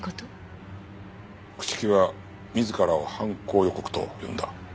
朽木は自らを犯行予告と呼んだ。